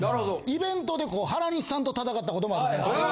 イベントで原西さんと戦ったこともあるぐらい。え！？